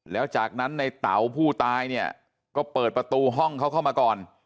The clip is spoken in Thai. แล้วจากนั้นในเต๋าผู้ตายเนี่ยก็เปิดประตูห้องเขาเข้ามาก่อน